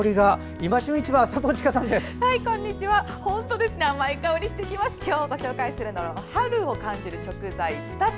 今日、ご紹介するのは春を感じる食材２つ。